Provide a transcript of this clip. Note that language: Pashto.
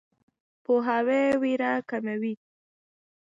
پوهاوی ویره کموي.